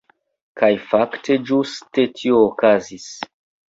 Kaj fakte ĝuste tio okazis.